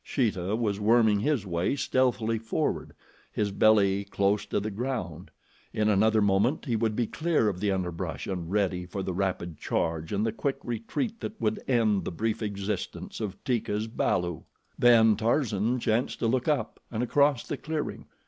Sheeta was worming his way stealthily forward, his belly close to the ground. In another moment he would be clear of the underbrush and ready for the rapid charge and the quick retreat that would end the brief existence of Teeka's balu. Then Tarzan chanced to look up and across the clearing.